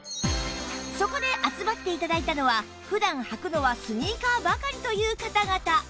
そこで集まって頂いたのは普段履くのはスニーカーばかりという方々